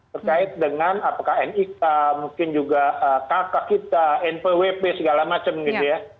terkait dengan apakah nik mungkin juga kakak kita npwp segala macam gitu ya